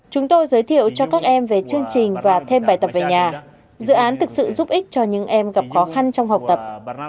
chúng tôi giới thiệu cho các em về chương trình và thêm bài tập về nhà dự án thực sự giúp ích cho những em gặp khó khăn trong học tập